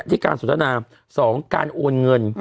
ที่การสุดนาสองการโอนเงิน